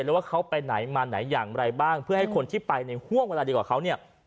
ว่าเขาไปไหนมาไหนอย่างไรบ้างเพื่อให้คนที่ไปในห่วงเวลาดีกว่าเขาเนี่ย